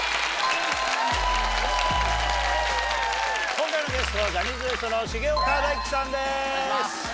今回のゲストはジャニーズＷＥＳＴの重岡大毅さんです！